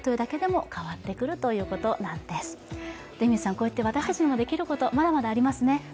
こうやって私たちにもできること、まだまだありますね。